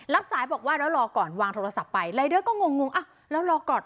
รับสายบอกว่าแล้วรอก่อนวางโทรศัพท์ไปรายเดอร์ก็งงอ่ะแล้วรอก่อน